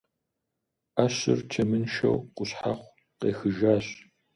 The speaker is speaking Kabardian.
Ӏэщыр чэмыншэу къущхьэхъу къехыжащ.